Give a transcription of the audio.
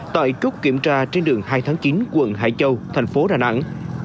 tại trúc kiểm tra trên đường hai tháng chín quận hải châu tp đà nẵng